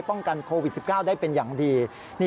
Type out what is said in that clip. ป้องกันโควิด๑๙ได้เป็นอย่างดี